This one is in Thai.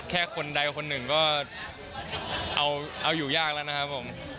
คนใดคนหนึ่งก็เอาอยู่ยากแล้วนะครับผม